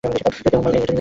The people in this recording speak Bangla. পেরুমল, এটাই লিখেছ না?